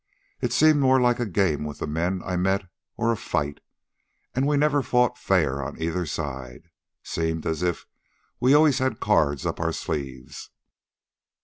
It seemed more like a game with the men I met, or a fight. And we never fought fair on either side. Seemed as if we always had cards up our sleeves.